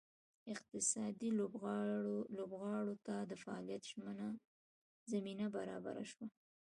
اقتصادي لوبغاړو ته د فعالیت زمینه برابره شوه.